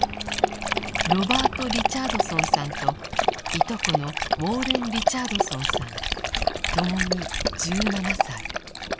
ロバート・リチャードソンさんといとこのウォーレン・リチャードソンさんともに１７歳。